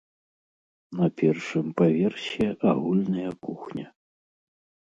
На першым паверсе агульная кухня.